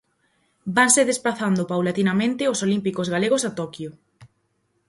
Vanse desprazando paulatinamente os olímpicos galegos a Toquio.